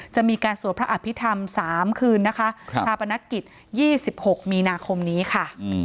จะมีการสวดพระอภิษฐรรม๓คืนนะคะชาปนกิจ๒๖มีนาคมนี้ค่ะ